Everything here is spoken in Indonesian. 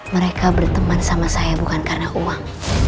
mereka berteman sama saya bukan karena uang